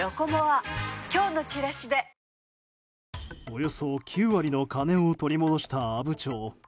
およそ９割の金を取り戻した阿武町。